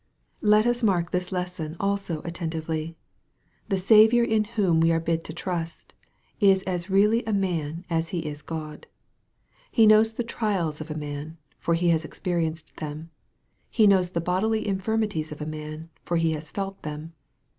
Let us mark this lesson also attentively. The Saviour in whom we are bid to trust, is as really a man as He is God. He knows the trials of a man, for He has experienced them. He knows the bodily infirmities of a man, for He has felt them.